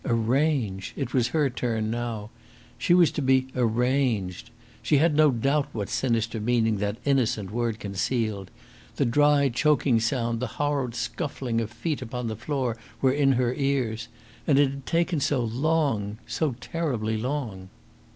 Arrange! It was her turn now. She was to be "arranged." She had no doubt what sinister meaning that innocent word concealed. The dry, choking sound, the horrid scuffling of feet upon the floor, were in her ears. And it had taken so long so terribly long!